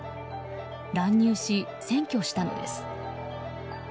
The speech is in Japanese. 乱入し、占拠したのです。